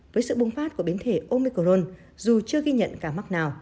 với sự bùng phát của biến thể omicron dù chưa ghi nhận ca mắc nào